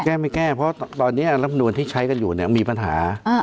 แก้ไม่แก้เพราะตอนนี้รับนวลที่ใช้กันอยู่เนี่ยมีปัญหา